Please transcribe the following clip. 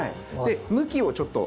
向きをちょっと。